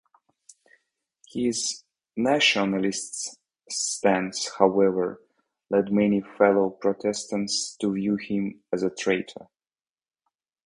His nationalist stance, however, led many fellow Protestants to view him as a traitor.